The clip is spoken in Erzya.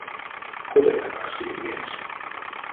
Кодаяк а сы мельс.